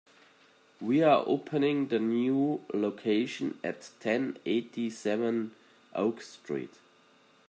We are opening the a new location at ten eighty-seven Oak Street.